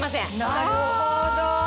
なるほど！